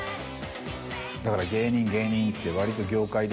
だから芸人芸人って割と業界では。